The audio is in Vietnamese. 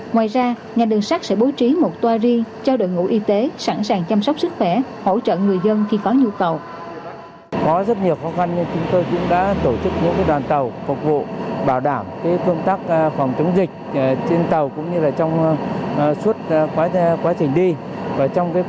ngoài ra nhà đường sắt tổ chức đón hai tám trăm linh công dân về địa phương bằng tàu hỏa trong hai ngày tám và ngày chín tháng một mươi